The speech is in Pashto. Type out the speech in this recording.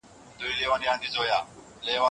د زندان په تنګو خونو کې د اوبو غوښتنه یو لوی ارمان و.